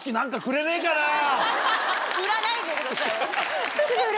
売らないでくださいよ。